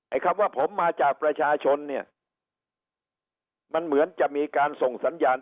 คำว่าผมมาจากประชาชนเนี่ยมันเหมือนจะมีการส่งสัญญาณ